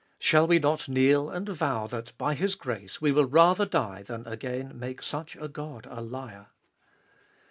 Shall we not kneel and vow that by His grace we will rather die than again make such a God a liar